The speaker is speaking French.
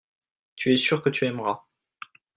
tu es sûr que tu aimeras.